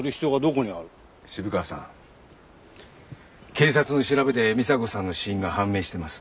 警察の調べで美砂子さんの死因が判明してます。